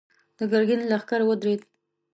د ګرګين لښکر ودرېد.